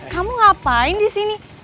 kamu ngapain disini